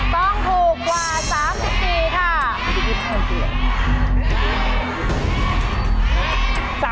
ต้องถูกกว่า๓๔ค่ะ